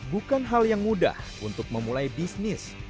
bukan hal yang mudah untuk memulai bisnis